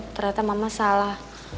ternyata mama salah